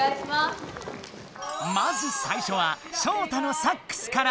まず最初はショウタのサックスから。